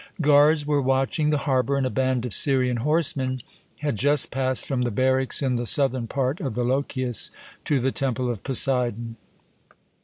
Guards were watching the harbour, and a band of Syrian horsemen had just passed from the barracks in the southern part of the Lochias to the Temple of Poseidon.